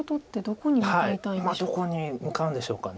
どこに向かうんでしょうか。